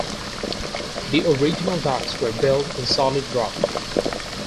The original docks were built on solid rock.